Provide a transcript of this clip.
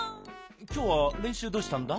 きょうはれんしゅうどうしたんだ？